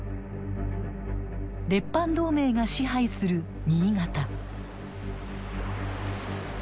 列藩同盟が支配する新潟。